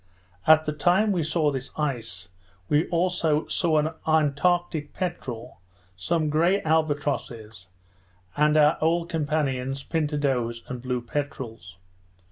At the time we saw this ice, we also saw an antarctic peterel, some grey albatrosses, and our old companions pintadoes and blue peterels.